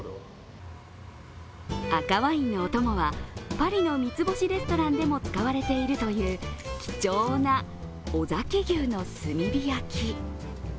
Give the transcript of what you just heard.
赤ワインのおともはパリの三ツ星レストランでも使われているという貴重な尾崎牛の炭火焼き。